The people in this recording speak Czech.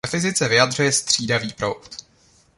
Ve fyzice vyjadřuje střídavý proud.